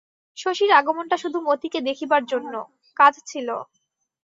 শশীর আগমনটা শুধু মতিকে দেখিবার জন্য, কাজ ছিল।